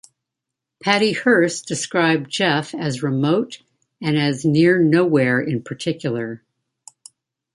Patty Hearst described Jeff as remote and as near nowhere in particular.